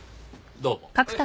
どうも。